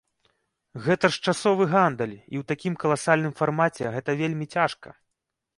Гэта ж часовы гандаль, і ў такім каласальным фармаце гэта вельмі цяжка.